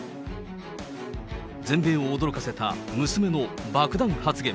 全米を驚かせた娘の爆弾発言。